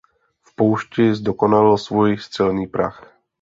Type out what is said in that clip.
V poušti zdokonalil svůj střelný prach.